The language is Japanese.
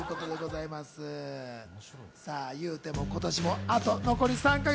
いうても今年もあと残り３か月。